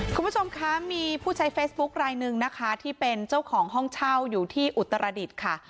คุณผู้ชมคะมีผู้ใช้เฟซบุ๊คลายหนึ่งนะคะที่เป็นเจ้าของห้องเช่าอยู่ที่อุตรดิษฐ์ค่ะ